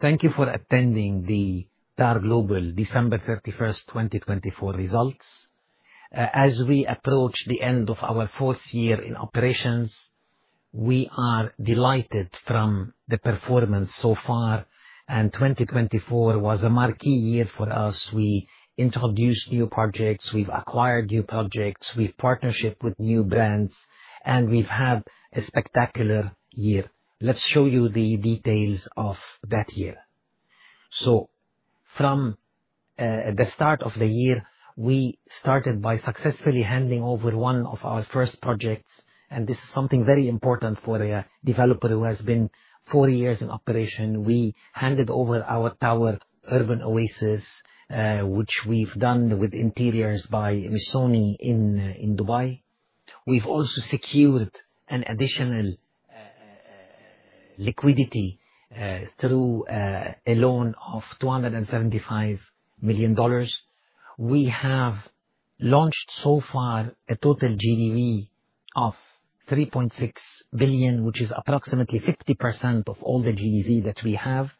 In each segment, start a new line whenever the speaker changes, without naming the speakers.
Thank you for attending the Dar Global December 31st, 2024 results. As we approach the end of our four years in operations, we are delighted from the performance so far, 2024 was a marquee year for us. We introduced new projects, we've acquired new projects, we've partnershiped with new brands, we've had a spectacular year. Let's show you the details of that year. From the start of the year, we started by successfully handing over one of our first projects, this is something very important for a developer who has been four years in operation. We handed over our tower, Urban Oasis, which we've done with interiors by Missoni in Dubai. We've also secured an additional liquidity through a loan of $275 million. We have launched so far a total GDV of $3.6 billion, which is approximately 50% of all the GDV that we have.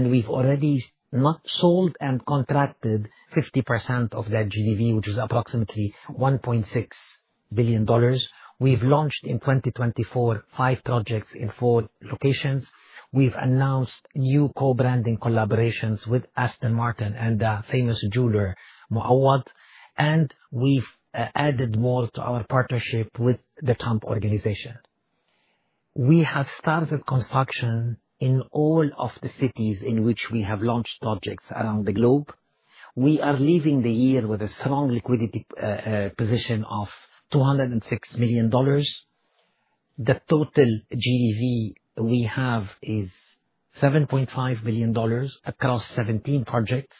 We've already not sold and contracted 50% of that GDV, which is approximately $1.6 billion. We've launched in 2024, five projects in four locations. We've announced new co-branding collaborations with Aston Martin and the famous jeweler, Mouawad, we've added more to our partnership with The Trump Organization. We have started construction in all of the cities in which we have launched projects around the globe. We are leaving the year with a strong liquidity position of $206 million. The total GDV we have is $7.5 billion across 17 projects.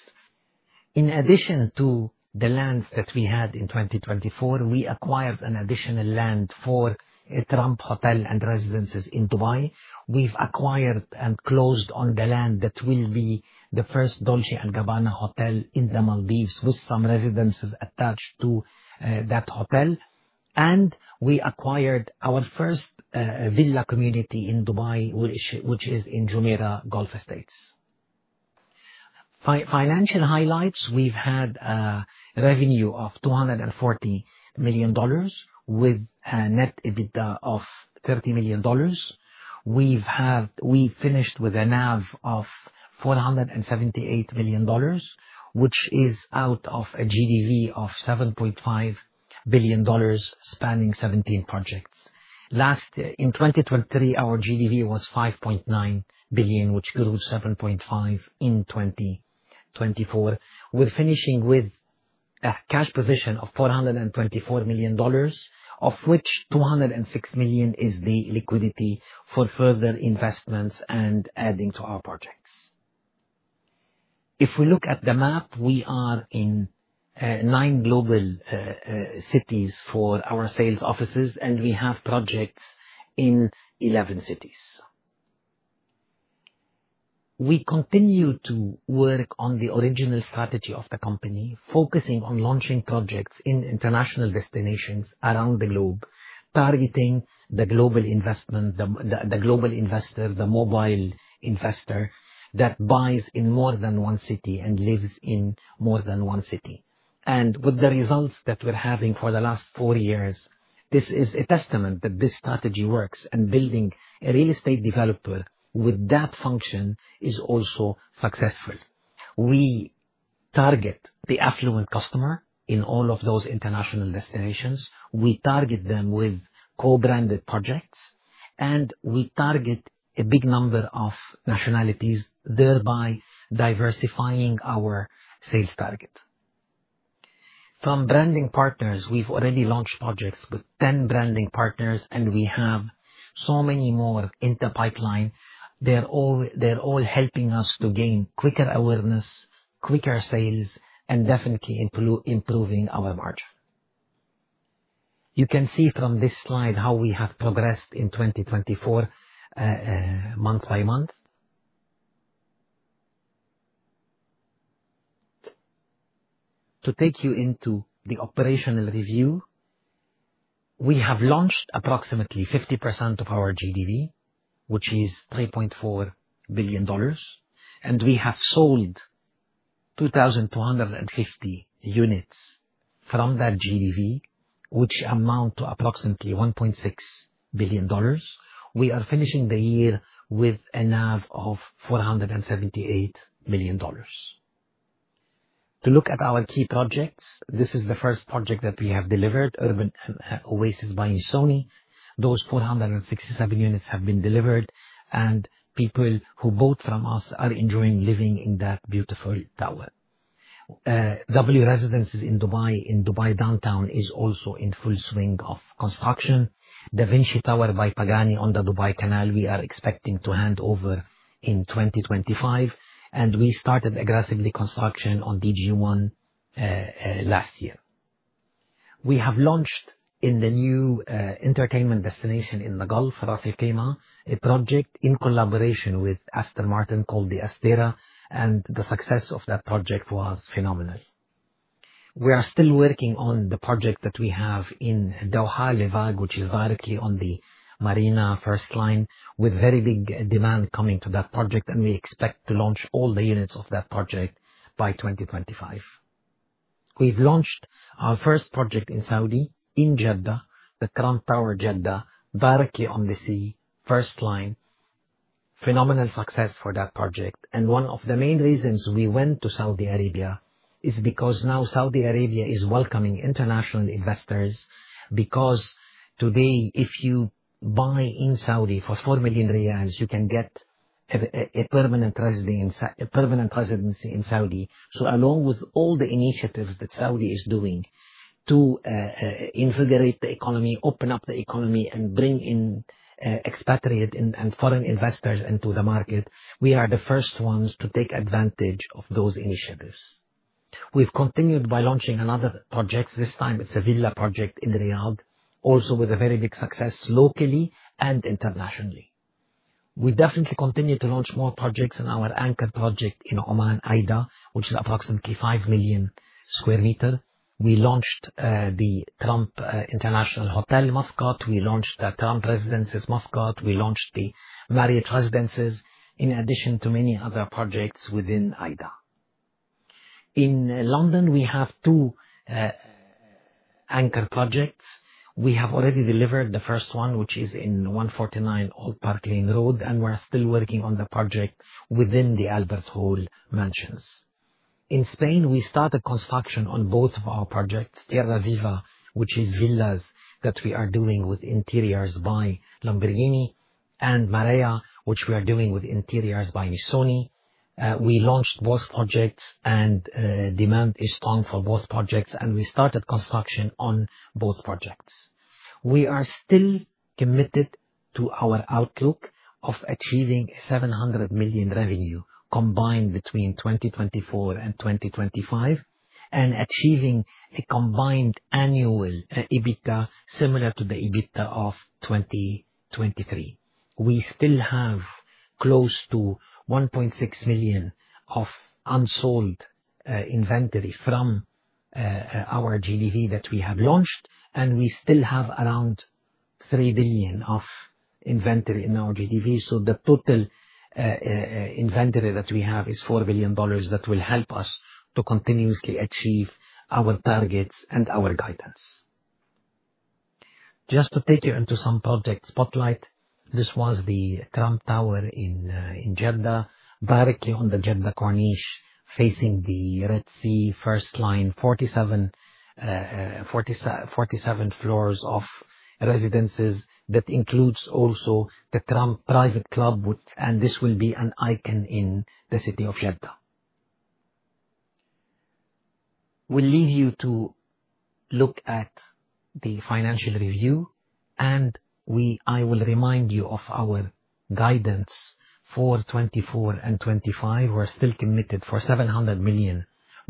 In addition to the lands that we had in 2024, we acquired an additional land for a Trump hotel and residences in Dubai. We've acquired and closed on the land that will be the first Dolce & Gabbana hotel in the Maldives with some residences attached to that hotel. We acquired our first villa community in Dubai, which is in Jumeirah Golf Estates. Financial highlights, we've had a revenue of $240 million with a net EBITDA of $30 million. We finished with a NAV of $478 million, which is out of a GDV of $7.5 billion, spanning 17 projects. Last, in 2023, our GDV was $5.9 billion, which grew to $7.5 billion in 2024. We're finishing with a cash position of $424 million, of which $206 million is the liquidity for further investments and adding to our projects. If we look at the map, we are in nine global cities for our sales offices, we have projects in 11 cities. We continue to work on the original strategy of the company, focusing on launching projects in international destinations around the globe, targeting the global investment, the global investor, the mobile investor that buys in more than one city and lives in more than one city. With the results that we're having for the last four years, this is a testament that this strategy works and building a real estate developer with that function is also successful. We target the affluent customer in all of those international destinations. We target them with co-branded projects, we target a big number of nationalities, thereby diversifying our sales target. From branding partners, we've already launched projects with 10 branding partners, we have so many more in the pipeline. They're all helping us to gain quicker awareness, quicker sales, and definitely improving our margin. You can see from this slide how we have progressed in 2024, month-by-month. To take you into the operational review, we have launched approximately 50% of our GDV, which is $3.4 billion, and we have sold 2,250 units from that GDV, which amount to approximately $1.6 billion. We are finishing the year with a NAV of $478 million. To look at our key projects, this is the first project that we have delivered, Urban Oasis by Missoni. Those 467 units have been delivered, and people who bought from us are enjoying living in that beautiful tower. W Residences in Dubai, in Dubai Downtown is also in full swing of construction. Da Vinci Tower by Pagani on the Dubai Canal, we are expecting to hand over in 2025, and we started aggressively construction on DG-1 last year. We have launched in the new entertainment destination in the Gulf, Ras Al Khaimah, a project in collaboration with Aston Martin called The Astera, and the success of that project was phenomenal. We are still working on the project that we have in Doha, Les Vagues, which is directly on the Marina first line, with very big demand coming to that project, and we expect to launch all the units of that project by 2025. We've launched our first project in Saudi, in Jeddah, the Trump Tower Jeddah, directly on the sea, first line. Phenomenal success for that project. One of the main reasons we went to Saudi Arabia is because now Saudi Arabia is welcoming international investors, because today, if you buy in Saudi for 4 million riyals, you can get a permanent residency in Saudi. Along with all the initiatives that Saudi is doing to invigorate the economy, open up the economy, and bring in expatriate and foreign investors into the market, we are the first ones to take advantage of those initiatives. We've continued by launching another project. This time it's a villa project in Riyadh, also with a very big success locally and internationally. We definitely continue to launch more projects in our anchor project in Oman, AIDA, which is approximately 5 million sq m. We launched the Trump International Hotel, Oman. We launched the Trump Residences, Muscat. We launched the Marriott Residences, in addition to many other projects within AIDA. In London, we have two anchor projects. We have already delivered the first one, which is in 149 Old Park Lane, and we're still working on the project within the Albert Hall Mansions. In Spain, we started construction on both of our projects, Tierra Viva, which is villas that we are doing with interiors by Lamborghini, and Marea, which we are doing with interiors by Missoni. We launched both projects, and demand is strong for both projects. We started construction on both projects. We are still committed to our outlook of achieving $700 million revenue combined between 2024 and 2025, and achieving a combined annual EBITDA similar to the EBITDA of 2023. We still have close to $1.6 million of unsold inventory from our GDV that we have launched, and we still have around $3 billion of inventory in our GDV. The total inventory that we have is $4 billion that will help us to continuously achieve our targets and our guidance. Just to take you into some project spotlight. This was the Trump Tower Jeddah, directly on the Jeddah Corniche, facing the Red Sea, first line, 47 floors of residences, that includes also the Trump private club, and this will be an icon in the city of Jeddah. We leave you to look at the financial review, and I will remind you of our guidance for 2024 and 2025. We're still committed for $700 million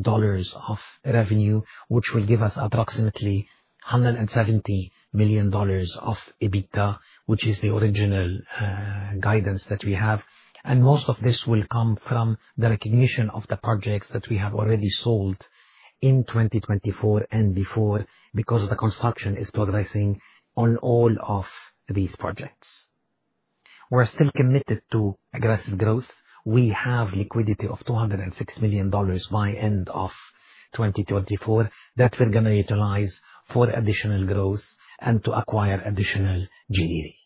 of revenue, which will give us approximately $170 million of EBITDA, which is the original guidance that we have. Most of this will come from the recognition of the projects that we have already sold in 2024 and before, because the construction is progressing on all of these projects. We're still committed to aggressive growth. We have liquidity of $206 million by end of 2024 that we're going to utilize for additional growth and to acquire additional GDV. Thank you